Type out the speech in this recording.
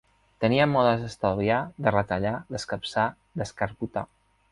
Tenia modes d'estalviar, de retallar, d'escapçar, d'escarbotar